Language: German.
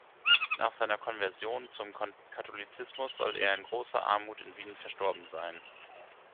Nach seiner Konversion zum Katholizismus soll er in großer Armut in Wien verstorben sein.